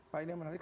pak ini menarik